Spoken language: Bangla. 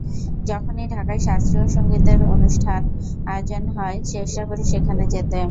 যখনই ঢাকায় শাস্ত্রীয় সংগীত অনুষ্ঠানের আয়োজন হয়, চেষ্টা করি সেখানে যেতে।